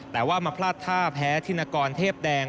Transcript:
แต่ว่ามาพลาดท่าแพ้ธินกรเทพแดง